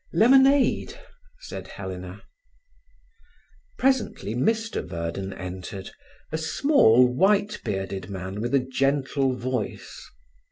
"Lemonade," said Helena. Presently Mr Verden entered—a small, white bearded man with a gentle voice.